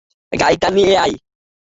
গাড়িটা নিয়ে আয়।